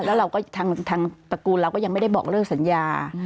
แล้วเราก็ทางตระกูลเราก็ยังไม่ได้บอกเลิกสัญญา